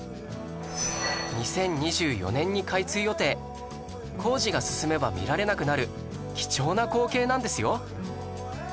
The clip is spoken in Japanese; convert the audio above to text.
２０２４年に開通予定工事が進めば見られなくなる貴重な光景なんですよ